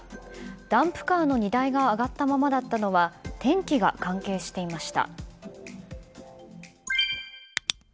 ダンプカーの荷台が上がったままだったのは天気が関係していました。